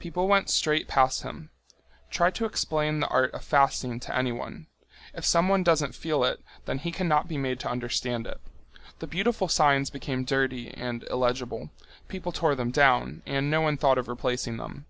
People went straight past him. Try to explain the art of fasting to anyone! If someone doesn't feel it, then he cannot be made to understand it. The beautiful signs became dirty and illegible. People tore them down, and no one thought of replacing them.